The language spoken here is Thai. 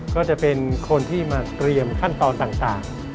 ก็จะเป็นคนที่มาเตรียมขั้นตอนต่าง